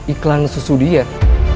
iklan susu diet